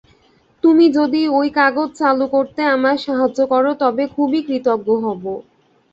তুমি যদি ঐ কাগজ চালু করতে আমায় সাহায্য কর, তবে খুবই কৃতজ্ঞ হব।